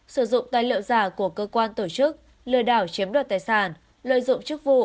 sử dụng tài liệu giả của cơ quan tổ chức lừa đảo chiếm đoạt tài sản lợi dụng chức vụ